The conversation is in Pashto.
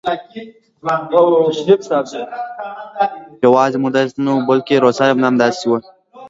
یوازې موږ داسې نه وو بلکې روسان هم همداسې وو